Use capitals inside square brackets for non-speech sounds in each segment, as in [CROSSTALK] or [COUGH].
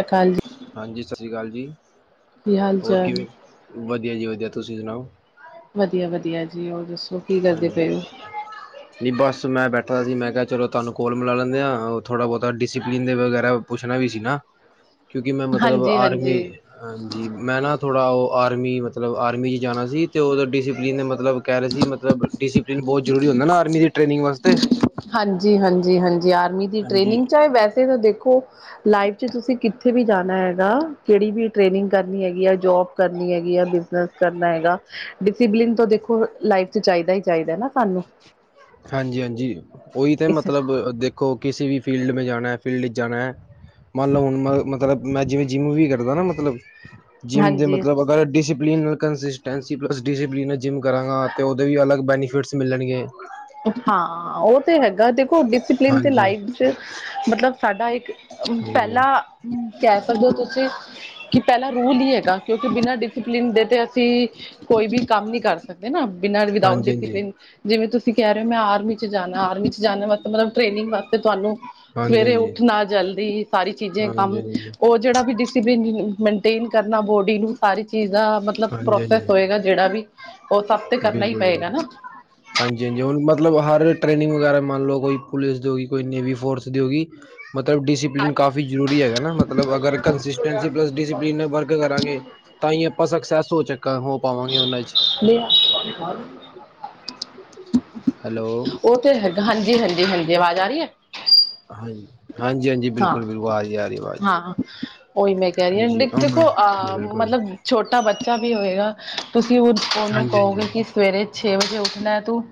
ਐਕਾਲ ਜੀ। ਹਾਂਜੀ ਸਾ ਸ਼੍ਰੀ ਕਾਲ ਜੀ ਕੀ ਹਾਲ ਹੋਰ ਚਾਲ ਕਿਵੇਂ ਵਦੀਆ ਜੀ ਵਦੀਆ ਤੁਸੀਂ ਸੁਣਾਓ? ਵਦੀਆ ਵਦੀਆ ਜੀ ਹੋਰ ਦੱਸੋ? ਕੀ ਕਰਦੇ ਹਾਂਜੀ। [INAUDIBLE] ਨਈ ਬਸ ਮੈਂ ਬੈਠਾ ਸੀ ਮੈਂ ਕਿਆ ਚਲੋ ਤੁਆਨੂੰ ਕੋੱਲ ਮਿਲਾ ਲੈਨੇ ਆ ਓ ਥੋੜ੍ਹਾ ਬੋਤਾ ਡਿਸਸੀਪਲਿਨ ਦੇ ਵਗੈਰਾ ਪੁੱਛਣਾ ਵੀ ਸੀ ਨਾ। [INAUDIBLE] ਕਿਉਂਕਿ ਮੈਂ ਮਤਲਬ ਹਾਂਜੀ ਆਰਮੀ ਹਾਂਜੀ ਹਾਂਜੀ ਮੈਂ ਨਾ ਥੋੜ੍ਹਾ ਓ ਆਰਮੀ ਮਤਲਬ ਆਰਮੀ ਚ ਜਾਨਾ ਸੀ ਤੇ ਓਦਾ ਡਿਸਪਲਿਨ ਨੇ ਮਤਲਬ ਮਤਲਬ ਕੈ ਰੇ ਸੀ ਮਤਲਬ ਡਿਸਪਲਿਨ ਬੋਤ ਜ਼ਰੂਰੀ ਹੁੰਦਾ ਨਾ ਆਰਮੀ ਦੀ ਟ੍ਰਨਿੰਗ ਵਾਸਤੇ। ਹਾਂਜੀ, ਹਾਂਜੀ, ਹਾਂਜੀ ਆਰਮੀ ਦੀ ਹਾਂਜੀ ਟ੍ਰੇਨਿੰਗ ਚਾਏ ਵੈਸੇ ਤਾਂ ਦੇਖੋ ਲਾਈਫ ਚ ਤੁਸੀਂ ਕਿੱਥੇ ਵੀ ਜਾਣਾ ਐਗਾ ਕੇੜੀ ਵੀ ਟ੍ਰੇਨਿੰਗ ਕਰਨੀ ਐਗੀ ਆ ਜੋਬ ਕਰਨੀ ਐਗੀ ਆ ਬਿਜ਼ਨਸ ਕਰਨਾ ਐਗਾ। ਡਿਸਪਲਿਨ ਤੋਂ ਦੇਖੋ ਲਾਈਫ ਚ ਚਾਈਦਾ ਈ ਚਾਈਦਾ ਨਾ ਸਾਨੂੰ। ਹਾਂਜੀ-ਹਾਂਜੀ ਓਈ ਤਾਂ ਇਸ ਮਤਲਬ ਦੇ ਕੋ ਕਿਸੀੇ ਵੀ ਫੀਲਡ ਮੇ ਜਾਨਾ ਐ ਫੀਲਡ ਚ ਜਾਨਾ ਐ। ਮੰਨ ਲਓ ਹੁਣ ਮ ਮਤਲਬ ਮੈਂ ਜਿਵੇਂ ਜਿਮ ਵੀ ਕਰਦਾ ਨਾ ਮਤਲਬ ਜਿੰਮ ਦੇ ਹਾਂਜੀ ਮਤਲਬ ਅਗਰ ਡਿਸਪਲਿਨ ਕੰਸਿਸਟੈਂਸੀ ਪਲਸ ਡਿਸਿਪਲਨ ਚ ਜਿੰਮ ਕਰਾਂਗਾ ਅਤੇ ਓਦੇ ਵੀ ਅਲਗ ਬੈਨੀਫਿਟਸ ਮਿਲਣਗੇ। ਹਾਂ ਓ ਤੇ ਹੈਗਾ ਦੇਖੋ ਡਿਸਪਲਨ ਤੇ ਹਾਂਜੀ, ਲਾਈਫ ਚ ਮਤਲਬ ਸਾਡਾ ਇੱਕ ਹਾਂਜੀ, ਪੈਲਾਂ ਕੈ ਸਕਦੇ ਓ ਤੁਸੀਂ ਕਿ ਪੈਲਾ ਰੂਲ ਈ ਹੈਗਾ ਕਿਉਂ ਕਿ ਬਿਨਾਂ ਡਿਸਿਪਲਿਨ ਦੇ ਤੇ ਅਸੀਂ ਕੋਈ ਵੀ ਕੰਮ ਨੀ ਕਰ ਸਕਦੇ ਨਾ ਬਿਨਾਂ ਵਿਦਾਊਟ ਹਾਂਜੀ-ਹਾਂਜੀ, ਡਿਸਪਲਿਨ ਜਿਵੇਂ ਤੁਸੀਂ ਕੈ ਰੇ ਓ ਮੈਂ ਆਰਮੀ ਚ ਜਾਨਾ ਆਰਮੀ ਚ ਜਾਨੇ ਵਾਸਤੇ ਮਤਲਬ ਟ੍ਰੇਨਿੰਗ ਵਾਸ ਤੇ ਤੁਆਨੂੰ ਸਵੇਰੇ ਹਾਂਜੀ-ਹਾਂਜੀ, ਉੱਠਣਾ ਜਲਦੀ ਸਾਰੀ ਚੀਜ਼ੇ ਕੰਮ ਹਾਂਜੀ-ਹਾਂਜੀ, ਓ ਜੇੜਾ ਵੀ ਡਿਸਪਲਿਨ ਮੇਨਟੇਨ ਕਰਨਾ ਬੋਡੀ ਨੂੰ ਸਾਰੀ ਚੀਜ਼ ਦਾ ਮਤਲਬ ਪ੍ਰੋਸੈਸ ਹੋਏਗਾ ਜੇੜਾ ਵੀ ਉਹ ਸਭ ਤੇ ਕਰਨਾ ਹੀ ਬਿਲਕੁਲ ਜ਼ਰੁਰ। ਪਏਗਾ ਨਾ ਹਾਂਜੀ-ਹਾਂਜੀ ਹੁਨ ਮਤਲਬ ਹਰ ਟ੍ਰੇਨਿੰਗ ਵਗੈਰਾ ਮੰਨ ਲਓ ਕੋਈ ਪੁਲਿਸ ਦੀ ਹੋਗੀ ਕੋਈ ਨੇਵੀ ਫੋਰਸ ਦੀ ਹੋਗੀ। ਮਤਲਬ ਡਿਸਿਪਲਿਨ ਕਾਫੀ ਜ਼ਰੂਰੀ ਹੈਗਾ ਨਾ ਮਤਲਬ ਅਗਰ ਕੰਸਿਸਟੈਂਸੀ ਪਲੱਸ ਡਿਸਪਲਿਨ ਵਰਕ ਕਰਾਂਗੇ ਤਾਂ ਈ ਆਪਾਂ ਸਕਸੈਸ ਹੋ ਚੱਕਾ ਹੋ ਪਾਵਾਂਗੇ ਓਨਾਂ ਚ [UNINTELLIGIBLE] ਹੈਲੋ। ਉਹ ਹਾਂਜੀ, ਹਾਂਜੀ, ਹਾਂਜੀ, ਆਵਾਜ਼ ਆ ਰਹੀ ਹੈ। ਹਾਂ, ਹਾਂਜੀ। ਹਾਂ, ਬਿਲਕੁਲ-ਬਿਲਕੁਲ ਆ ਰਹੀ ਆ ਰਹੀ ਆਵਾਜ਼। ਹਾਂ, ਉਹੀ ਮੈਂ ਕਹਿ ਰਹੀ ਹਾਂ, ਹਾਂਜੀ ਦੇਖੋ, ਉਹਨਾਂ ਅਹ ਬਿਲਕੁਲ ਮਤਲਬ। ਛੋਟਾ ਬੱਚਾ ਵੀ ਹੋਏਗਾ, ਤੁਸੀਂ ਉਹ, ਉਹਨੂੰ ਹਾਂਜੀ, ਹਾਂਜੀ, ਕਹੋਗੇ ਕਿ। ਸਵੇਰੇ ਛੇ ਵਜੇ ਉੱਠਣਾ ਏ ਤੂੰ,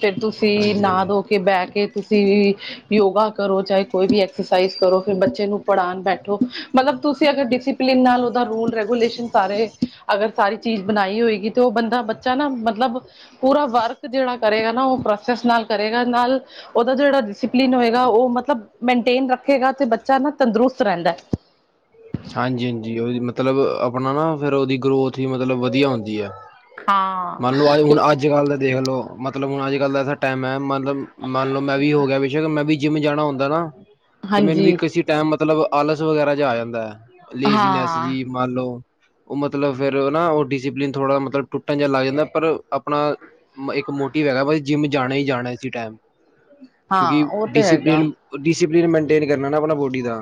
ਫਿਰ ਤੁਸੀਂ ਹਾਂਜੀ, ਨਾ ਹਾਂਜੀ। ਧੋ ਕੇ ਬਹਿ ਕੇ ਤੁਸੀਂ। ਯੋਗਾ ਕਰੋ, ਚਾਹੇ ਕੋਈ ਵੀ [UNINTELLIGIBLE] ਕਰੋ, ਫਿਰ ਬੱਚੇ ਨੂੰ ਪੜ੍ਹਾਉਣ ਬੈਠੋ, ਮਤਲਬ ਤੁਸੀਂ ਅਗਰ ਡਿਸਿਪਲਿਨ ਨਾਲ ਉਹਦਾ ਰੂਲ। ਰੈਗੂਲੇਸ਼ਨ ਸਾਰੇ, ਅਗਰ ਸਾਰੀ ਚੀਜ਼ ਬਣਾਈ ਹੋਏਗੀ ਤੇ ਉਹ ਬੰਦਾ, ਬੱਚਾ ਨਾ, ਮਤਲਬ। ਪੂਰਾ ਵਰਕ ਜਿਹੜਾ ਕਰੇਗਾ ਨਾ, ਉਹ ਪ੍ਰੋਸੈਸ ਨਾਲ ਕਰੇਗਾ, ਨਾਲ। ਉਹਦਾ ਜਿਹੜਾ ਡਸਿਪਲੀਨ ਹੋਏਗਾ, ਉਹ ਮਤਲਬ, ਮਨਟੇਨ ਰੱਖੇਗਾ ਤੇ ਬੱਚਾ ਨਾ ਤੰਦਰੁਸਤ ਰਹਿੰਦਾ। ਹਾਂਜੀ, ਹਾਂਜੀ, ਉਹ ਮਤਲਬ ਆਪਣਾ ਨਾ, ਫਿਰ ਉਹਦੀ ਗਰੋਥ ਹੀ ਮਤਲਬ, ਵਧੀਆ ਹੁੰਦੀ ਹੈ। ਮੰਨ ਲਓ, ਅੱਜ ਹਾਂ, ਹੁਣ, ਅੱਜ ਕੱਲ੍ਹ ਦਾ ਦੇਖ ਲੋ। ਮਤਲਬ ਹੁਣ ਅੱਜ ਕੱਲ ਦਾ ਐਸਾ ਟਾਈਮ ਹੈ, ਮਤਲਬ ਮੰਨ ਲਓ, ਮੈਂ ਵੀ ਹੋ ਗਿਆ ਬੇਸ਼ੱਕ, ਮੈਂ ਵੀ ਜਿੰਮ ਜਾਣਾ ਹੁੰਦੈ ਨਾ। ਤੇ ਮੈਨੂੰ ਵੀ ਹਾਂਜੀ, ਕਿਸੇ ਟਾਈਮ ਮਤਲਬ, ਆਲਸ ਵਗੈਰਾ ਜਿਹਾ ਆ ਜਾਂਦਾ ਹੈ ਲੇਜੀਨੈਸ ਹਾਂ, ਜੀ। ਮੰਨ ਲੋ, ਉਹ ਮਤਲਬ ਫਿਰ ਉਹ ਨਾ, ਉਹ ਡਿਸਿਪਲਿਨ ਥੋੜਾ ਮਤਲਬ, ਟੁੱਟ। ਟੁੱਟਣ ਜਾ ਲੱਗਦੈ ਪਰ ਆਪਣਾ ਇੱਕ ਮੋਟਿਵ ਹੈਗਾ ਬਈ ਜਿਮ ਜਾਣਾ ਹੀ ਜਾਣਾ ਇਸੇ ਟਾਈਮ। ਕਿਉਂਕਿ ਹਾਂ ਉਹ ਤੇ ਹੈਗਾ। ਡਿਸਿਪਲੀਨ, ਡਿਸਿਪਲਿਨ ਮੇਨਟੇਨ ਕਰਨਾ ਨਾ ਆਪਣਾ ਬੋਡੀ ਦਾ।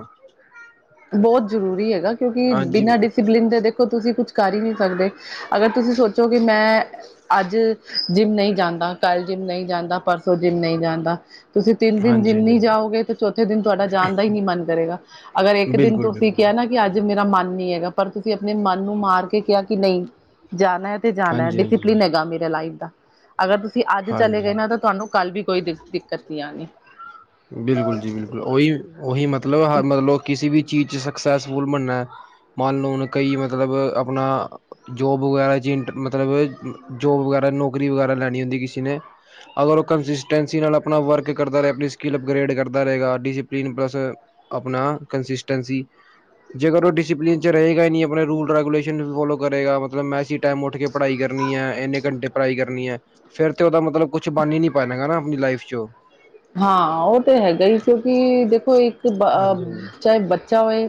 ਬਹੁਤ ਜ਼ਰੂਰੀ ਹੈਗਾ, ਕਿਉਂਕਿ ਹਾਂਜੀ ਬਿਨਾਂ ਡਿਸਪਲਿਨ ਦੇ ਦੇਖੋ, ਤੁਸੀਂ ਕੁਛ। ਕਰ ਹੀ ਨਹੀਂ ਸਕਦੇ, ਅਗਰ ਤੁਸੀਂ ਸੋਚੋ ਕਿ, ਮੈਂ। ਅੱਜ ਜਿੰਮ ਨਹੀਂ ਜਾਂਦਾ, ਕੱਲ ਜਿੰਮ ਨਹੀਂ ਜਾਂਦਾ, ਪਰਸੋਂ ਜਿੰਮ ਨਹੀਂ ਜਾਂਦਾ। ਤੁਸੀਂ ਤਿੰਨ ਦਿਨ ਹਾਂਜੀ ਜਿਮ ਹਾਂਜੀ ਨੀ ਜਾਓਗੇ ਤੇ ਚੌਥੇ ਦਿਨ ਤੁਹਾਡਾ ਜਾਣ ਦਾ ਹੀ ਨਹੀ ਮਨ ਕਰੇਗਾ, ਅਗਰ [UNINTELLIGIBLE] ਬਿਲਕੁਲ ਬਿਲਕੁਲ ਕਿਹਾ ਕਿ ਨਾ ਅੱਜ ਮੇਰਾ ਮਨ ਨਹੀਂ ਹੈਗਾ, ਪਰ ਤੁਸੀਂ ਆਪਣੇ ਮਨ ਨੂੰ ਮਾਰ ਕੇ ਕਿਹਾ, ਕਿ ਨਹੀਂ, ਜਾ। ਮੈ ਤੇ ਜਾਨੈ, ਹਾਂਜੀ ਹਾਂਜੀ ਡਸੀਪਲਿਨ ਹੈਗਾ ਮੇਰਾ ਲਾਈਫ ਦਾ। ਅਗਰ ਤੁਸੀਂ ਅੱਜ ਚਲੇ ਹਾਂਜੀ ਗਏ ਨਾ, ਤਾਂ ਤੁਹਾਨੂੰ ਕੱਲ ਵੀ ਕੋਈ ਦਿੱਕਤ ਨਹੀਂ ਆਣੀ। ਬਿਲਕੁਲ ਜੀ, ਬਿਲਕੁਲ, ਓਹੀ, ਉਹੀ ਮਤਲਬ, ਮਤਲਬ, ਕਿਸੇ ਵੀ ਚੀਜ਼ ਚ ਸਕਸੈਸਫੁਲ ਬਣਨੈ। ਮੰਨ ਲਓ, ਹੁਣ ਕਈ ਮਤਲਬ, ਆਪਣਾ। ਜੋਬ ਵਗੈਰਾ ਵਿੱਚ ਇੰਟਰ, ਮਤਲਬ ਜੋਬ ਵਗੈਰਾ, ਨੌਕਰੀ ਵਗੈਰਾ। ਲੈਣੀ ਹੁੰਦੀ ਕਿਸੇ ਨੇ, ਅਗਰ ਉਹ ਕੰਸਿਸਟੈਂਸੀ ਨਾਲ ਆਪਣਾ ਵਰਕ। ਕਰਦਾ ਰਹੇ, ਆਪਣੇ ਸਕਿੱਲ ਅਪਗ੍ਰੇਡ ਕਰਦਾ ਰਹੇਗਾ, ਡਸਿਪਲੀਨ ਪਲੱਸ ਆਪਣਾ ਕੰਸਿਸਟੇਂਸੀ। ਜੇਕਰ ਉਹ ਡਿਸਿਪਲਿਨ ਚ ਰਹੇਗਾ ਈ ਨੀ, ਆਪਣੇ ਰੂਲ ਰੈਗੂਲੇਸ਼ਨ ਫੋਲੋ ਕਰੇਗਾ ਮਤਲਬ ਮੈਂ ਉਸੀ ਟਾਈਮ ਉੱਠ ਕੇ। ਪੜ੍ਹਾਈ ਕਰਨੀ ਹੈ, ਇੰਨੇ ਘੰਟੇ ਪੜ੍ਹਾਈ ਕਰਨੀ ਹੈ। ਫੇਰ ਤੇ ਉਹਦਾ ਮਤਲਬ, ਕੁਛ ਬਣ ਹੀ ਨੀ ਪਾਏਗਾ ਨਾ ਆਪਣੀ ਲਾਈਫ ਚ ਉਹ। ਹਾਂ ਉਹ ਤਾਂ ਹੈਗਾ ਹੀ, ਕਿਉਂਕਿ ਦੇਖੋ, ਇੱਕ, ਹਾਂਜੀ ਹਾਂਜੀ ਚਾਹੇ ਬੱਚਾ ਹੋਏ।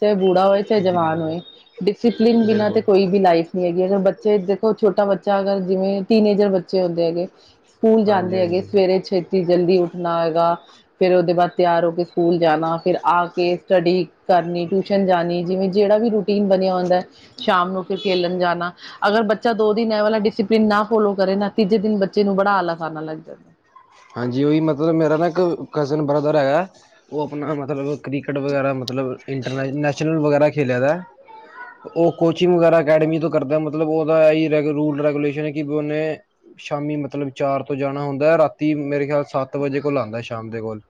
ਚਾਹੇ ਬੂੜਾ ਹੋਏ, ਚਾਹੇ ਜੀ ਜਵਾਨ ਬਿਲਕੁਲ ਹੋਏ, ਡਿਸਪਲਿਨ ਬਿਨਾਂ ਤੇ ਬਿਲਕੁਲ ਕੋਈ। ਦੀ ਲਾਈਫ ਨਹੀ ਹੈਗੀ, ਅਗਰ ਬੱਚੇ ਦੇਖੋ ਛੋਟਾ ਬੱਚਾ, ਅਗਰ ਜਿਵੇਂ ਟੀਨ ਏਜਰ ਬੱਚੇ ਹੁੰਦੇ ਹੈਗੇ। ਸਕੂਲ ਹਾਂਜੀ ਜਾਂਦੇ ਹੈਗੇ, ਹਾਂਜੀ ਸਵੇਰੇ ਛੇਤੀ, ਜਲਦੀ ਉੱਠਣਾ ਹੈਗਾ। ਫਿਰ ਉਹਦੇ ਬਾਅਦ ਤਿਆਰ ਹੋ ਕੇ ਸਕੂਲ ਜਾਣਾ, ਫਿਰ ਆ ਕੇ ਸਟੱਡੀ ਕਰਨੀ, ਟਿਊਸ਼ਨ ਜਾਣੀ, ਜਿਵੇਂ ਜਿਹੜਾ ਵੀ ਰੁਟ। ਟੀਨ ਬਣਿਆ ਹੁੰਦੈ, ਸ਼ਾਮ ਨੂੰ ਫਿਰ ਖੇਲਣ ਜਾਣਾ। ਅਗਰ ਬੱਚਾ ਦੋ ਦਿਨ ਇਹ ਵਾਲਾ ਡਿਸਪਲਿਨ ਨਾ ਫੋਲੋ ਕਰੇ ਨਾ, ਤੀਜੇ ਦਿਨ ਬੱਚੇ ਨੂੰ ਬੜਾ ਆਲਸ ਆਣ ਲੱਗ ਜਾਂਦੈ। ਹਾਂਜੀ, ਉਹੀ ਮਤਲਬ, ਮੇਰਾ ਨਾ ਇੱਕ, ਕਜ਼ਨ ਬ੍ਰਦਰ ਹੈਗਾ, ਉਹ ਆਪਣਾ ਮਤਲਬ। ਕ੍ਰਿਕਟ ਵਗੈਰਾ ਮਤਲਬ, ਇੰਟਰਨੈਸ਼ਨ, ਨੈਸ਼ਨਲ ਵਗੈਰਾ ਖੇਡਿਆ ਦਾ। ਉਹ ਕੋਚਿੰਗ ਵਗੈਰਾ ਅਕੈਡਮੀ ਤੋਂ ਕਰਦੈ, ਮਤਲਬ ਉਹਦਾ ਇਹੀ ਰੂਲ ਰੈਗੂਲੇਸ਼ਨ ਹੈ ਕਿ ਉਹਨੇ। ਸ਼ਾਮੀ ਮਤਲਬ, ਚਾਰ ਤੋਂ ਜਾਣਾ ਹੁੰਦੈ, ਰਾਤੀ ਮੇਰੇ ਖਿਆਲ ਸੱਤ ਵਜੇ ਕੋਲ ਆਉਂਦਾ, ਸ਼ਾਮ ਦੇ ਕੋਲ।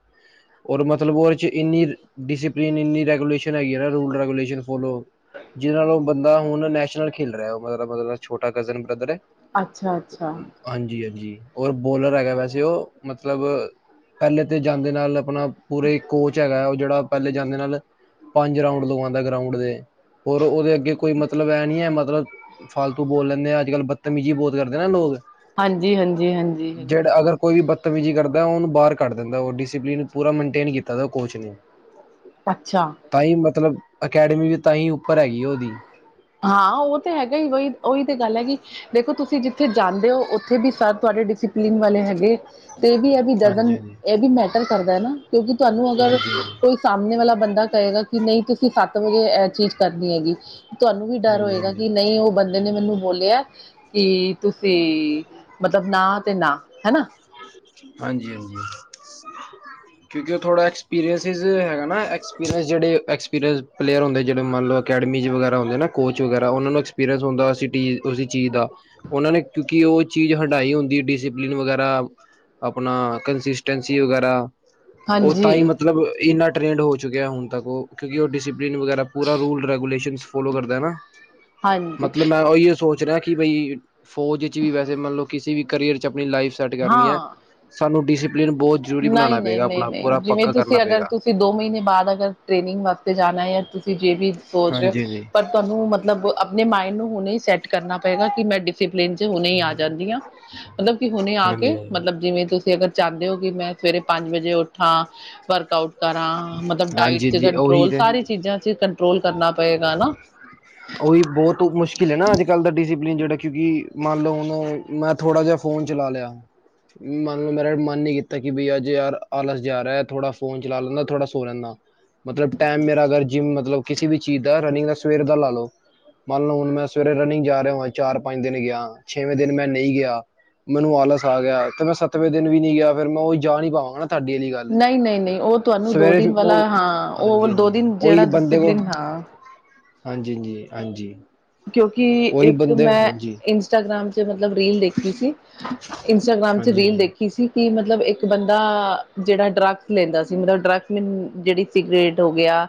ਔਰ ਮਤਲਬ, ਉਹਦੇ ਚ ਇੰਨੀ। ਡਿਸਿਪਲਿਨ ਇੰਨੀ ਰੈਗੂਲੇਸ਼ਨ ਹੈਗੀ ਹੈ [UNINTELLIGIBLE] ਨਾ, ਰੂਲ ਰੈਗੂਲੇਸ਼ਨ ਫੋਲੋ [UNINTELLIGIBLE] ਜਿਹਦੇ ਨਾਲ ਉਹ ਬੰਦਾ, ਹੁਣ ਨੈਸ਼ਨਲ ਖੇਲ ਰਿਹਾ, ਉਹ [UNINTELLIGIBLE] ਮਤਲਬ ਛੋਟਾ ਕਜ਼ਨ ਬ੍ਰਦਰ ਹੈ। ਅੱਛਾ, ਅੱਛਾ! ਹਾਂਜੀ, ਹਾਂਜੀ! ਔਰ ਬੋਲਰ ਹੈਗਾ ਵੈਸੇ ਉਹ, ਮਤਲਬ ਪਹਿਲੇ ਤੇ ਜਾਂਦੇ ਨਾਲ [UNINTELLIGIBLE] ਪੂਰੇ ਹੀ ਕੋਚ ਹੈਗਾ, ਹੈ ਉਹ ਜਿਹੜਾ ਪਹਿਲੇ ਜਾਂਦੇ ਨਾਲ, ਪੰਜ ਰਾਊਂਡ ਲਗਾਉਂਦਾ ਗਰਾਉਂਡ ਦੇ, ਹੋਰ ਉਹਦੇ ਕੋਈ ਮਤਲਬ ਇਹ ਨੀ ਹੈ ਮਤਲਬ, ਫਾਲਤੂ ਬੋਲ ਲੈਂਦੇ ਆ, ਅੱਜ ਕੱਲ ਬਦਤਮੀਜੀ ਬੋਤ ਕਰਦੇ ਨਾ ਲੋਕ ਹਾਂਜੀ, ਹਾਂਜੀ, ਹਾਂਜੀ, ਹਾਂਜੀ। ਜਿਹੜਾ ਅਗਰ ਕੋਈ ਵੀ ਬਦਤਮੀਜ਼ੀ ਕਰਦਾ, ਉਹਨੂੰ ਬਾਹਰ ਕੱਢ ਦਿੰਦਾ ਉਹ, ਡਿਸਪਲਿਨ ਪੂਰਾ ਮੇਨਟੇਨ ਕੀਤਾ ਉਹ ਕੋਚ ਨੇ। ਅੱਛਾ! ਤਾਂ ਹੀ ਮਤਲਬ, ਅਕੈਡਮੀ ਵੀ ਤਾਂ ਹੀ ਉੱਪਰ ਹੈਗੀ ਉਹਦੀ। ਹਾਂ ਉਹ ਤੇ ਹੈਗਾ ਹੀ, ਵਹੀ ਉਹੀ ਤੇ ਗੱਲ ਹੈਗੀ ਦੇਖੋ ਤੁਸੀਂ ਜਿੱਥੇ ਜਾਂਦੇ ਹੋ ਉੱਥੇ ਵੀ ਸਰ ਤੁਹਾਡੇ ਡਸੀ ਪੀਣ ਵਾਲੇ ਹੈਗੇ, ਤੇ ਇਹ ਵੀ ਇਹ ਵੀ ਹਾਂਜੀ ਡਜ਼ਨ, ਹਾਂਜੀ ਇਹ ਵੀ ਮੈਟਰ ਕਰਦਾ ਹੈ ਨਾ। ਕਿਉਂਕਿ ਤੁਹਾਨੂੰ ਅਗਰ, ਹਾਂਜੀ ਹਾਂਜੀ ਕੋਈ ਸਾਹਮਣੇ ਵਾਲਾ ਬੰਦਾ ਕਹੇਗਾ ਕਿ ਨਹੀਂ ਤੁਸੀਂ ਸੱਤ ਵਜੇ ਇਹ ਚੀਜ਼ ਕਰਨੀ ਹੈਗੀ ਤੁਹਾਨੂੰ ਵੀ ਡਰ ਹਾਂਜੀ ਹੋਏਗਾ ਹਾਂਜੀ ਕਿ ਨਹੀਂ ਉਹ ਬੰਦੇ ਨੇ ਮੈਨੂੰ ਬੋਲਿਆ, ਕਿ ਤੁਸੀਂ, ਮਤਲਬ ਨਾ ਤੇ ਨਾ ਹਨਾ ਹਾਂਜੀ-ਹਾਂਜੀ। [INAUDIBLE] ਕਿਉਂਕਿ ਉਹ ਥੋੜਾ ਐਕਸਪੀਰੀਅੰਸ ਹੈਗਾ ਨਾ, ਐਕਸਪੀਰੀਅਸ ਜਿਹੜੇ, ਐਕਸਪੀਰੀਅੰਸ ਪਲੇਅਰ ਹੁੰਦੇ ਜਿਹੜੇ ਮੰਨ ਲਓ ਅਕੈਡਮੀਜ਼ ਵਗੈਰਾ ਹੁੰਦੇ ਨਾ, ਕੋਚ ਵਗੈਰਾ, ਉਹਨਾਂ ਨੂੰ ਐਕਸਪੀਰੀਅੰਸ ਹੁੰਦਾ ਸਿਟੀਜ ਉਸੀ ਚੀਜ਼ ਦਾ, ਉਹਨਾਂ ਨੇ ਕਿਉਂਕਿ ਉਹ ਚੀਜ਼ਹੰਢਾਈ ਹੁੰਦੀ, ਡਿਸਪਲਿਨ ਵਗੈਰਾ ਅਪਣਾ, ਕੰਸਿਸਟੈਂਸੀ ਵਗੈਰਾ ਉਹ ਤਾਂ ਹਾਂਜੀ ਹੀ ਮਤਲਬ, ਇੰਨਾ ਟ੍ਰੇਡ ਹੋ ਚੁੱਕਿਆ ਹੁਣ ਤੱਕ ਉਹ, ਕਿਉਂਕਿ ਉਹ ਡਪ [UNINTELLIGIBLE] ਵਗੈਰਾ ਪੂਰਾ ਰੂਲ ਰੈਗੂਲੇਸ਼ਨ ਫੋਲੋ ਕਰਦਾ ਨਾ, ਹਾਂਜੀ ਮਤਲਬ ਮੈਂ ਇਹ ਸੋਚ [UNINTELLIGIBLE] ਜਿਹੜਾ ਕਿ ਬਈ, ਫੌਜ ਵਿਚ ਵੀ ਵੈਸੇ ਮਤਲਬ ਕਿਸੀ ਵੀ ਕਰੀਅਰ ਚ, ਆਪਣੀ ਲਾਈਫ ਸੈੱਟ ਕਰਨੀ ਹੈ। ਸਾਨੂੰ ਡਿਸਸੀਪਲਿਨ ਬਹੁਤ ਜ਼ਰੂਰੀ ਬਣਾਉਣਾ ਪਏਗਾ ਆਪਣਾ ਨਹੀਂ-ਨਹੀਂ-ਨਹੀਂ-ਨਹੀਂ, ਪੂਰਾ ਜਿਵੇਂ ਪੱਕਾ ਤੁਸੀਂ ਕਰਨਾ ਅਗਰ, ਪਏਗਾ ਤੁਸੀਂ ਦੋ ਮਹੀਨੇ ਬਾਅਦ ਅਗਰ ਟ੍ਰੇਨਿੰਗ ਵਾਤੇ ਤੇ ਜਾਣਾ ਹੈ, ਤੁਸੀਂ ਜੇ ਵੀ ਸੋਚ ਰਹੇ ਹੋ, ਹਾਂਜੀ ਹਾਂਜੀ ਪਰ ਤੁਹਾਨੂੰ ਮਤਲਬ, ਆਪਣੇ ਮਾਇੰਡ ਨੂੰ ਹੁਣੇ ਹੀ ਸੈੱਟ ਕਰਨਾ ਪਏਗਾ ਕਿ ਮੈਂ ਡਿਸਿਪਲਿਨ ਚ ਹੁਣੇ ਹੀ ਆ ਜਾਂਦੀ ਹਾਂ। ਮਤਲਬ ਕਿ ਹੁਣੇ ਆ ਹਾਂਜੀ ਕੇ, ਹਾਂਜੀ ਮਤਲਬ ਜਿਵੇਂ ਤੁਸੀਂ ਅਗਰ ਚਾਹੁੰਦੇ ਹੋ ਕਿ ਮੈਂ ਸਵੇਰੇ ਪੰਜ ਵਜੇ ਉੱਠਾਂ, ਵਰਕ ਆਊਟ ਕਰਾਂ, ਮਤਲਬ ਡਾਇਟ ਹਾਂਜੀ ਚ ਜੀ ਉਹੀ ਕੰਟਰੋਲ, ਤੇ ਸਾਰੀ ਚੀਜ਼ਾਂ ਚ ਕੰਟਰੋਲ ਕਰਨਾ ਪਏਗਾ ਨਾ ਉਹੀ, ਬਹੁਤ ਮੁਸ਼ਕਿਲ ਹੈ ਨਾ ਅੱਜ ਕੱਲ੍ਹ ਦਾ ਡਿਸਿਪਲਿਨ ਜਿਹੜਾ, ਕਿਉਂਕਿ ਮੰਨ ਲਓ ਹੁਣ ਮੈਂ ਥੋੜਾ ਜਿਹਾ ਫੋਨ ਚਲਾ ਲਿਆ ਮੰਨਲੋ, ਮੇਰਾ ਮਨ ਨਹੀਂ ਕੀਤਾ ਕਿ ਬਈ ਅੱਜ ਯਾਰ, ਆਲਸ ਜਾ ਰਿਹਾ, ਥੋੜਾ ਫੋਨ ਚਲਾ ਲੈਂਦਾ, ਥੋੜ੍ਹਾ ਸੋ ਲੈਂਦਾ ਮਤਲਬ ਟਾਈਮ ਮੇਰਾ ਅਗਰ ਜਿੰਮ, ਮਤਲਬ ਕਿਸੇ ਵੀ ਚੀਜ਼ ਦਾ,, ਰਨਿੰਗ ਸਵੇਰ ਦਾ ਲਾ ਲੋ ਮੰਨ ਲਓ ਹੁਣ ਮੈਂ ਸਵੇਰੇ ਰਨਿੰਗ ਜਾ ਰਿਹਾ ਹੋਵਾਂ, ਚਾਰ ਪੰਜ ਦਿਨ ਗਿਆ, ਛੇਵੇਂ ਦਿਨ ਮੈਂ ਨਹੀਂ ਗਿਆ ਮੈਨੂੰ ਆਲਸ ਆ ਗਿਆ, ਤੇ ਮੈਂ ਸੱਤਵੇਂ ਦਿਨ ਵੀ ਨੀ ਗਿਆ, ਫੇਿਰ ਮੈਂ ਉਹੀ ਜਾ ਨੀ ਪਾਵਾਂਗਾ ਤੁਹਾਡੀ ਵਾਲੀ ਗੱਲ, ਨਹੀਂ ਨਹੀਂ ਨਹੀਂ ਉਹ ਤੁਹਾਨੂੰ ਦੋ ਸਵੇਰੇ ਦਿਨ ਵਾਲਾ ਉਹ, ਹਾਂ ਉਹ ਦੋ ਹਾਂਜੀ-ਹਾਂਜੀ! ਦਿਨ ਜਿਹੜਾ ਉਹੀ ਬੰਦੇ ਕੋਲ ਡਿਸਿਪਲਿਨ ਹਾਂ [UNINTELLIGIBLE] ਹਾਂਜੀ-ਹਾਂਜੀ। ਕਿਉਂਕਿ, ਇੱਕ ਮੈਂ, ਇੰਸਟਾਗ੍ਰਾਮ ਚ ਮਤਲਬ ਰੀਲ ਦੇਖ ਦੇਖੀ ਸੀ, ਇੰਸਟਾਗ੍ਰਾਮ ਚ ਹਾਂਜੀ ਰੀਲ ਹਾਂਜੀ ਦੇਖੀ ਸੀ ਕਿ ਮਤਲਬ ਇੱਕ ਬੰਦਾ, ਜਿਹੜਾ ਡਰੱਗ ਲੈਂਦਾ ਸੀ, ਮਤਲਬ ਡਰਗ, ਜਿਹੜੀ ਸਿਗਰੇਟ ਹੋ ਗਿਆ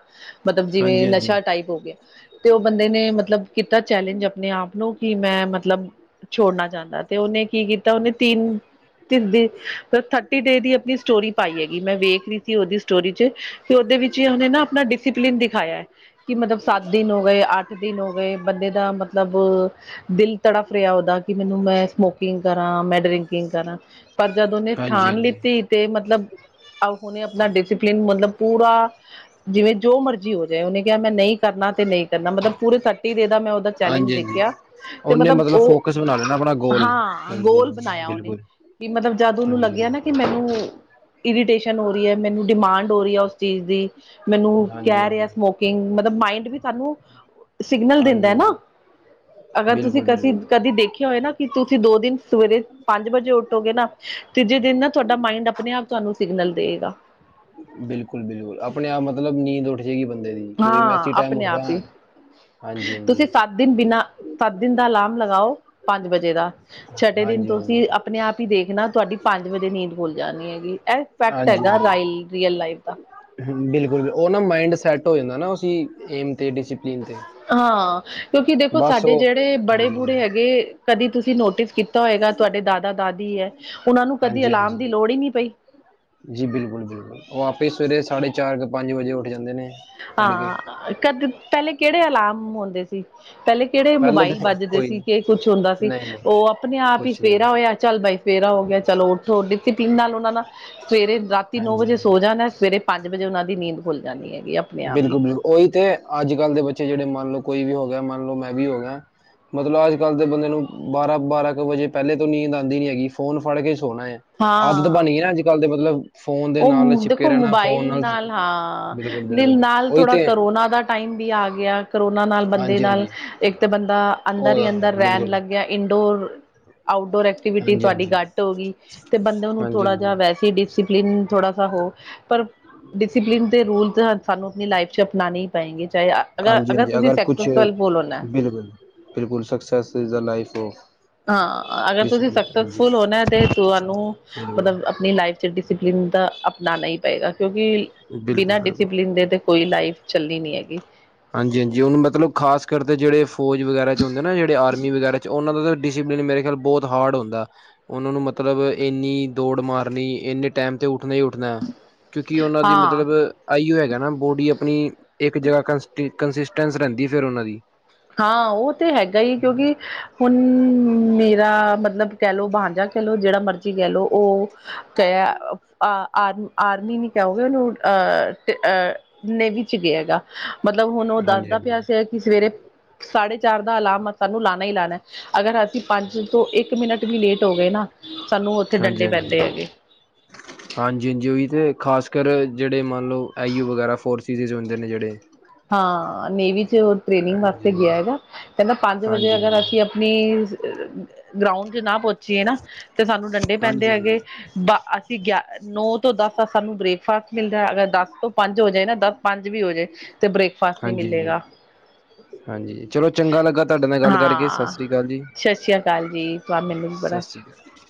ਮਤਲਬ ਹਾਂਜੀ ਜਿਵੇਂ ਨਸ਼ਾ ਟਾਈਪ ਹੋ ਗਿਆ, ਤੇ ਉਹ ਬੰਦੇ ਨੇ, ਮਤਲਬ ਕੀਤਾ ਚੈਲੇਂਜ ਆਪਣੇ ਆਪ ਨੂੰ ਕਿ ਮੈਂ ਮਤਲਬ ਛੋੜਨਾ ਚਾਹੁੰਦਾ ਤੇ ਉਹਨੇ ਕੀ ਕੀਤਾ ਉਹਨੇ ਤਿੰਨ ਤਿੰਨ ਦੀ ਥਰਟੀ ਡੇ ਦੀ ਆਪਣੀ ਸਟੋਰੀ ਪਾਈ ਹੈਗੀ ਮੈਂ ਵੇਖ ਰਹੀ ਸੀ ਉਹਦੀ ਸਟੋਰੀ ਚ ਕਿ ਉਹਦੇ ਵਿੱਚ ਉਹਨੇ ਨਾ ਆਪਣਾ ਡਿਸਿਪਲਿਨ ਦਿਖਾਇਆ ਹੈ ਕਿ ਮਤਲਬ ਸੱਤ ਦਿਨ ਹੋ ਗਏ, ਅੱਠ ਦਿਨ ਹੋ ਗਏ। ਬੰਦੇ ਦਾ ਮਤਲਬ ਦਿਲ ਤੜਫ ਰਿਹਾ ਉਹਦਾ ਕਿ ਮੈਨੂੰ ਮੈਂ ਸਮੋਕਿੰ ਕਿੰਗ ਕਰਾਂ, ਮੈ ਡਰਿੰਕਿੰਗ ਕਰਾਂ ਪਰ ਜਦ ਉਹਨੇ ਹਾਂਜੀ ਹਾਂਜੀ ਠਾਣ ਹਾਂਜੀ ਲਿੱਤੀ ਤੇ ਮਤਲਬ ਹੁਨ ਆਪਣਾ ਡਿਸਿਪਲਿਨ ਮਤਲਬ ਪੂਰਾ ਜਿਵੇਂ ਜੋ ਮਰਜ਼ੀ ਹੋ ਜਾਏ ਉਹਨੇ ਕਿਹਾ ਮੈਂ ਨਹੀਂ ਕਰਨਾ ਤੇ ਨਹੀਂ ਕਰਨਾ ਮਤਲਬ ਪੂਰੇ ਤ ਡੇ ਦਾ ਮੈਂ ਉਹਦਾ ਚੈਲੇਂਜ ਹਾਂਜੀ ਹਾਂਜੀ ਦੇਖਿਆ ਤੇ ਉਹਨੇ ਮਤਲਬ ਉਹ ਫੋਕਸ ਬਣਾ ਲੈਣਾ ਆਪਣਾ ਗੋਲ ਹਾਂ ਹਾਂਜੀ ਗੋਲ ਬਣਾਇਆ ਉਹਨੇ ਬਿਲਕੁਲ ਕਿ ਮਤਲਬ ਜਦ ਉਹਨੂੰ ਹਾਂਜੀ ਲੱਗਿਆ ਹਾਂਜੀ ਨਾ ਕਿ ਮੈਨੂੰ ਇਰੀਟੇਸ਼ਨ ਹੋ ਰਹੀ ਹੈ ਮੈਨੂੰ ਡਿਮਾਂਡ ਹੋ ਰਹੀ ਹੈ ਉਸ ਚੀਜ਼ ਦੀ ਮੈਨੂੰ ਹਾਂਜੀ ਹਾਂਜੀ ਕਹਿ ਰਿਹਾ ਸਮੋਕਿੰਗ ਮਤਲਬ ਮਾਈਂਡ ਵੀ ਸਾਨੂੰ ਸਿਗਨਲ ਦਿੰਦਾ ਹੈ ਹਾਂਜੀ ਨਾ ਅਗਰ ਤੁਸੀਂ ਬਿਲਕੁਲ ਕਸੀ ਬਿਲਕੁਲ ਕਦੀ ਦੇਖਿਆ ਹੋਏ ਨਾ ਕਿ ਤੁਸੀਂ ਦੋ ਦਿਨ ਸਵੇਰੇ ਪੰਜ ਵਜੇ ਉੱਠੋਗੇ ਨਾ ਤੀਜੇ ਦਿਨ ਨਾ ਤੁਹਾਡਾ ਮਾਈੰਡ ਆਪਣੇ ਆਪ ਤੁਹਾਨੂੰ ਸਿਗਨਲ ਦੇਗਾ। ਬਿਲਕੁਲ-ਬਿਲਕੁਲ ਆਪਣੇ ਆਪ ਮਤਲਬ ਨੀਂਦ ਓਡ ਜੇਗੀ ਬੰਦੇ ਦੀ। ਕਿ ਬਈ ਮੈਂ ਹਾਂ ਇਸੀ ਟਾਈਮ ਆਪਣੇ ਉੱਠਦਾ ਆਪ ਹਾਂ। ਹੀ ਹਾਂਜੀ ਹਾਂਜੀ ਤੁਸੀਂ ਸਾ ਸੱਤ ਦਿਨ ਬਿਨਾਂ ਸੱਤ ਦਿਨ ਦਾ ਅਲਾਰਮ ਲਗਾਓ ਪੰਜ ਵਜੇ ਦਾ ਛਟੇ ਦਿਨ ਹਾਂਜੀ ਹਾਂਜੀ ਤੁਸੀ ਆ ਪਣੇ ਆਪ ਹੀ ਦੇਖਣਾ ਤੁਹਾਡੀ ਪੰਜ ਵਜੇ ਨੀਂਦ ਭੁੱਲ ਜਾਣੀ ਹੈਗੀ। ਇਹ ਇਫੈਕਟ ਹਾਂਜੀ ਹੈਗਾ ਰਾਈਲ ਰੀਅਲ ਲਾਈਫ ਦਾ। ਬਿਲਕੁਲ ਬੁ ਉਹ ਨਾ ਮਾਇੰਡ ਸੈਟ ਹੋ ਜਾਂਦਾ ਨਾ ਏਮ ਤੇ ਡੀਸੀਪਲੀਨ ਤੇ। ਹਾਂ ਕਿਉਂਕਿ ਦੇਖੋ ਬਸ ਸਾਡੇ ਉਹ ਜਿਹੜੇ ਬੜੇ ਹਾਂਜੀ ਬੂੜੇ ਹੈਗੇ ਕਦੀ ਤੁਸੀਂ ਨੋਟਿਸ ਕੀਤਾ ਹੋਏਗਾ ਤੁਹਾਡੇ ਦਾਦਾ ਦਾਦੀ ਹੈ ਉਹਨਾਂ ਨੂੰ ਕਦੀ ਹਾਂਜੀ ਹਾਂਜੀ ਅਲਾਰਮ ਹਾਂਜੀ ਦੀ ਲੋੜ ਹੀ ਨਹੀਂ ਪਈ। ਜੀ ਬਿਲਕੁਲ-ਬਿਲਕੁਲ ਉਹ ਆਪੇ ਸਵੇਰੇ ਸਾਢੇ ਚਾਰ ਕੁ ਪੰਜ ਵਜੇ ਉੱਠ ਜਾਂਦੇ ਨੇ। ਤੜਕੇ ਹਾਂ ਕਦੇ ਪਹਿਲੇ ਕਿਹੜੇ ਅਲਾਰਮ ਹੁੰਦੇ ਸੀ। ਪਹਿਲੇ ਕਿਹੜੇ ਪਹਿਲੇ ਮੋਬਾਈਲ ਤਾਂ ਵੱਜਦੇ ਕੋਈ ਸੀ ਨੀ ਕਿ ਕੁੱਛ ਹੁੰਦਾ ਸੀ। ਨਹੀਂ ਨਹੀਂ ਉਹ ਆਪਣੇ ਆਪ ਹੀ ਕੁਛ ਨਹੀਂ ਸਵੇਰਾ ਹੋਇਆ ਚੱਲ ਬਈ ਸਵੇਰਾ ਹੋ ਗਿਆ ਚਲੋ ਉਠੋ ਡਿਸਿਪਲਿਨ ਨਾਲ ਉਹਨਾਂ ਨਾਲ ਸਵੇਰੇ ਰਾਤੀ ਨੌ ਹਾਂਜੀ ਵਜੇ ਹਾਂਜੀ ਸੋ ਜਾਣਾ ਸਵਰੇ ਪੰਜ ਵਜੇ ਓਹਨਾ ਦੀ ਨੀਂਦ ਖੁੱਲ ਜਾਨੀ ਹੈਗੀ ਅਪ ਬਿਲਕੁਲ-ਬਿਲਕੁਲ ਉਹੀ ਤੇ ਅੱਜ ਕੱਲ ਦੇ ਬੱਚੇ ਜਿਹੜੇ ਮੰਨ ਲਓ ਕੋਈ ਵੀ ਹੋ ਗਿਆ ਮੰਨ ਲਓ ਮੈਂ ਵੀ ਹੋਗਿਆ। ਮਤਲਬ ਅੱਜ ਕੱਲ੍ਹ ਦੇ ਬੰਦੇ ਨੂੰ ਬਾਰਾਂ-ਬਾਰਾਂ ਕੁ ਵਜੇ ਪਹਿਲੇ ਤੋਂ ਨੀਂਦ ਆਉਂਦੀ ਨੀ ਹੈਗੀ ਫੋਨ ਫੜ ਕੇ ਸੋਣਾ ਹੈ। ਆਦਤ ਹਾਂ ਬਣ ਗਈ ਨਾ ਅੱਜ ਕੱਲ੍ਹ ਤੇ ਮਤਲਬ ਫੋਨ ਦੇ ਉਹ ਨਾਲ ਚਿਪਕੇ ਦੇਖੋ ਰਹਿਣਾ ਮੋਬਾਈਲ ਫੋਨ ਨਾਲ ਹਾ ਬਿਲਕੁਲ ਬਿਲਕੁਲ ਦਿਲ ਨਾਲ ਉਹੀ ਥੋੜ੍ਹਾ ਤੇ ਕਰੋਨਾ ਦਾ ਟਾਈਮ ਵੀ ਆ ਗਿਆ ਕਰੋਨਾ ਨਾਲ ਬੰਦੇ ਹਾਂਜੀ ਨਾਲ ਹਾਂਜੀ ਇੱਕ ਤੇ ਬੰਦਾ ਅੰਦਰ ਹੀ ਅੰਦਰ ਉਹ ਰਹਿਣ ਬਿਲਕੁਲ ਲੱਗਿਆ ਇਨਡੋਰ ਆਊਟਡੋਰ ਐਕਟੀਵਿਟੀ ਹਾਂਜੀ ਹਾਂਜੀ ਤੁਹਾਡੀ ਹਾਂਜੀ ਘੱਟ ਹੋ ਗਈ ਤੇ ਬੰਦੇ ਨੂੰ ਥੋੜ੍ਹਾ ਜਿਹਾ ਹਾਂਜੀ ਵੈਸੇ ਹੀ ਡੀਸੀ ਪਲਿਨ ਥੋੜ੍ਹਾ ਸਾ ਹੋ ਪਰ ਡਿਸਪਲਿਨ ਦੇ ਰੁਲ ਸਾਨੂੰ ਆਪਣੀ ਲਾਈਫ ਚ ਅਪਨਾਨੇ ਪਏਗੇ ਚਾਹੇ ਅਗ ਹਾਂਜੀ ਅਗਰ ਹਾਂਜੀ ਤੁਸੀਂ ਕੁਛ ਸੂਕਸੈਸਫੁਲ ਹੋਣਾ। ਬਿਲਕੁਲ ਜੀ। ਬਿਲਕੁਲ success is the life of ਹਾਂ ਅਗਰ ਤੁਸੀਂ ਡਿਸਪਲਿਨ ਹਾਂਜੀ ਸਕਸੈਸਫੁਲ ਹੋਣਾ ਤੇ ਤੁਹਾਨੂੰ ਬਿਲਕੁਲ ਮਤਲਬ ਆਪਣੀ ਲਾਈਫ ਡਿਸਪਲਨ ਦਾ ਅਪਣਾਣਾ ਹੀ ਪਏਗਾ ਕਿਉਂਕਿ ਬਿਲਕੁਲ ਬਿਨਾਂ ਬਿਲਕੁਲ ਡਿਸਪਲਿਨ ਦੇ ਕੋਈ ਲਾਈਫ ਚੱਲਣੀ ਨੀ ਹੈਗੀ। ਹਾਂਜੀ-ਹਾਂਜੀ ਉਹਨ ਮਤਲਬ ਖ਼ਾਸ ਕਰਕੇ ਜਿਹੜੇ ਫੌਜ ਵਗੈਰਾ ਚਚ ਹੁੰਦੇ ਨਾ ਜਿਹੜੇ ਆਰਮੀ ਵਗੈਰਾ ਚ ਉਹਨਾਂ ਦਾ ਤਾ ਡਿਸਿਪਲਿਨ ਮੇਰੇ ਖਿਆਲ ਬੌਤ ਹਾਰਡ ਹੁੰਦਾ। ਉਹਨਾਂ ਨੂੰ ਮਤਲਬ ਇੰਨੀ ਦੌੜ ਮਾਰਨੀ ਇੰਨੇ ਟਾਈਮ ਤੇ ਉੱਠਣਾ ਹੀ ਉੱਠਣਾ। ਕਿਉਂਕਿ ਉਹਨਾਂ ਦੀ ਹਾਂ ਮਤਲਬ ਆਈਓ ਹੈਗਾ ਨਾ ਬੋਡੀ ਆਪਣੀ ਇੱਕ ਜਗ੍ਹਾ ਕੰਸਿਸਟੈਂਸ ਰਹਿੰਦੀ ਫੇਿਰ ਉਹਨਾਂ ਦੀ। ਹਾਂ ਉਹ ਤੇ ਹੈਗਾ ਹੀ ਕਿਉਂਕਿ ਹੁਣ ਮੇਰਾ ਮਤਲਬ ਕਹਿ ਲੋ ਬਹਾਂਝਾ ਕਹਿ ਲਓ ਜਿਹੜਾ ਮਰਜ਼ੀ ਕਹਿ ਲਓ ਉਹ ਕ ਆਰਮੀ ਆਰਮੀ ਨੀ ਕਹੋਗੇ ਉਹਨੂੰ ਅਹ ਅਹ [INAUDIBLE] [UNINTELLIGIBLE] ਨੇਵ ਚ ਗਿਆ ਹੈਗਾ ਮਤਲਬ ਹੁਣ ਉਹ ਹਾਂਜੀ ਹਾਂਜੀ ਦੱਸਦਾ ਪਿਆ ਹਾਂਜੀ ਸੀਗਾ ਕਿ ਸਵੇਰੇ ਸਾਢੇ ਚਾਰ ਦਾ ਅਲਾਰਮ ਸਾਨੂੰ ਲਾਉਣਾ ਹੀ ਲਾਉਣਾ। ਅਗਰ ਅਸੀਂ ਪੰਜ ਤੋਂ ਇੱਕ ਮਿੰਟ ਵੀ ਲੇਟ ਹੋ ਗਏ ਨਾ ਸਾਨੂੰ ਉੱਥੇ ਡੰਡੇ ਹਾਂਜੀ ਪੈਂਦੇ ਹੈਗੇ। ਹਾਂਜੀ ਹਾਂਜੀ ਉਓਹੀ ਤੇ ਖਾਸ ਕਰ ਜਿਹੜੇ ਮੰਨ ਲਓ ਆਈ ਯੂ ਵਗੈਰਾ ਫੋਰਸ ਚੀਜ਼ ਹੁੰਦੇ ਜਿਹੜੇ। ਹਾਂ ਨੇਵੀ ਚ ਉਹ ਟ੍ਰੇਨਿੰਗ ਵਾਸਤੇ ਹਾਂਜੀ ਗਿਆ ਹੈਗਾ ਕਹਿੰਦਾ ਪੰਜ ਹਾਂਜੀ ਵਜੇ ਹਾਂਜੀ ਅਗਰ ਹਾਂਜੀ ਅਸੀ ਗਰਾਊਂਡ ਚ ਨਾ ਪਹੁੰਚੀਏ ਨਾ ਤੇ ਸਾਨੂੰ ਡੰਡੇ ਪੈਂਦੇ ਹਾਂਜੀ ਹੈਗੇ। ਅਸੀਂ ਗਿਆ [INAUDIBLE] ਨੌ ਤੋਂ ਦਸ ਦਾ ਸਾਨੂੰ ਬ੍ਰੇਕਫਾਸਟ ਮਿਲਦਾ ਅਗਰ ਦਸ ਤੋਂ ਪੰਜ ਹੋ ਜਾਏ ਨਾ ਦਸ ਪੰਜ ਵੀ ਹੋ ਜਾਏ ਤੇ ਬ੍ਰੇਕਫਾਸਟ ਨਹੀਂ ਹਾਂਜੀ ਹਾਂਜੀ ਮਿਲੇਗਾ। ਹਾਂਜੀ ਚਲੋ ਚੰਗਾ ਲੱਗਾ ਤੁਹਾਡੇ ਨਾਲ ਗੱਲ ਕਰਕੇ ਸਤਿ ਹਾਂ ਸ੍ਰੀ ਅਕਾਲ ਜੀ ਸਤਿ ਸ੍ਰੀ ਅਕਾਲ ਜੀ। ਗ ਮਿਲ ਬੜ [INAUDIBLE] [UNINTELLIGIBLE]